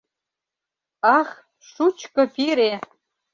Ах, шучко пире!